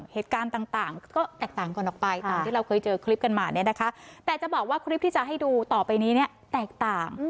เหตุการณ์ต่างก็แตกต่างกันออกไปตามที่เราเคยเจอคลิปกันมาเนี่ยนะคะแต่จะบอกว่าคลิปที่จะให้ดูต่อไปนี้เนี่ยแตกต่าง